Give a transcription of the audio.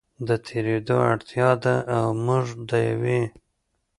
د تېرېدو اړتیا ده او موږ د یوې